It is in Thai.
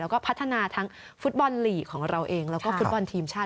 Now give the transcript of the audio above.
แล้วก็พัฒนาทั้งฟุตบอลลีกของเราเองแล้วก็ฟุตบอลทีมชาติ